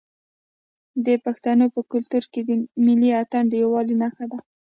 د پښتنو په کلتور کې ملي اتن د یووالي نښه ده.